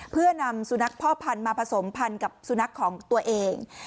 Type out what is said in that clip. เพื่อนำสุนัขพ่อพันธุ์มาผสมพันธ์กับสุนัขของตัวเอง